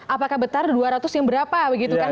apakah bentar dua ratus yang berapa begitu kan